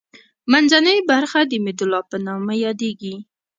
منځنۍ برخه د میدولا په نامه یادیږي.